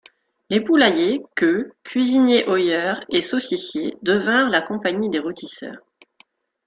Les poulaillers, queux, cuisiniers-oyers et saucissiers devinrent la compagnie des rôtisseurs.